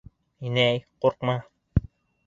Инәй, ҡурҡма!